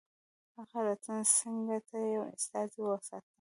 هغه رتن سینګه ته یو استازی واستاوه.